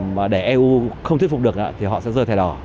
mà để eu không thuyết phục được thì họ sẽ rơi thẻ đỏ